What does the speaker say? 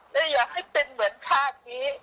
เมื่อยังให้เป็นเหมือนชาตินี้